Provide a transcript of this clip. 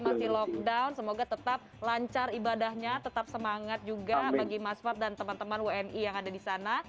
masih lockdown semoga tetap lancar ibadahnya tetap semangat juga bagi mas fad dan teman teman wni yang ada di sana